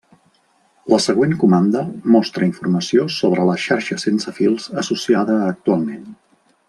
La següent comanda mostra informació sobre la xarxa sense fils associada actualment.